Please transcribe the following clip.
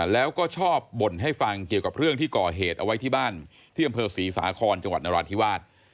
แล้วก็ชอบบ่นให้ฟังเกี่ยวกับเรื่องที่ก่อเหตุเอาไว้ที่บ้านที่อำเภอศรีสาครจังหวัดนราธิวาส